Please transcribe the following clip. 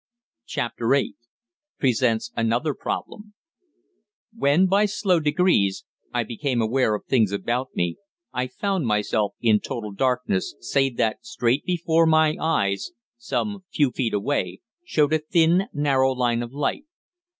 CHAPTER EIGHT PRESENTS ANOTHER PROBLEM When, by slow degrees, I became aware of things about me, I found myself in total darkness, save that, straight before my eyes, some few feet away, showed a thin, narrow line of light.